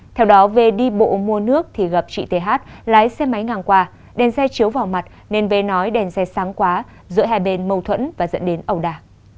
theo đó về đi bộ mua nước thì gặp chị th lái xe máy ngang qua đèn xe chiếu vào mặt nên v nói đèn xe sáng quá giữa hai bên mâu thuẫn và dẫn đến ẩu đà